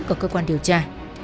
của cơ quan điều tra